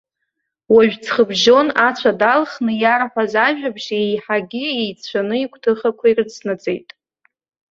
Уажә ҵхыбжьон ацәа далхны иарҳәаз ажәабжь еиҳагьы еицәаны игәҭыхақәа ирыцнаҵеит.